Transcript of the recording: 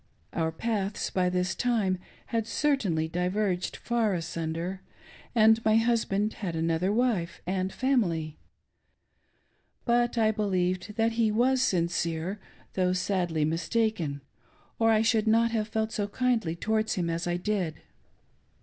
Our paths by this time had certainly diverged far asunder, and my husband had another wife and family:; but I believed that he was sincere, though sadly mistaken, or I should not have felt so kindly towards him as I did.'